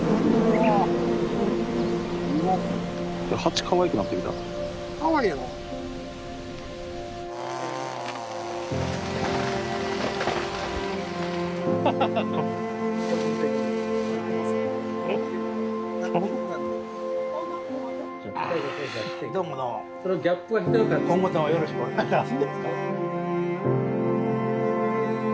今後ともよろしくお願いします。